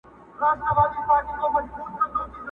هم ښایسته هم په ځان غټ هم زورور دی!